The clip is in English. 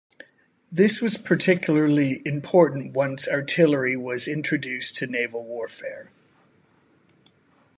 This was particularly important once artillery was introduced to naval warfare.